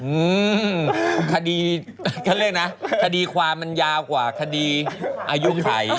อืมคดีความมันยาวกว่าคดีอายุไข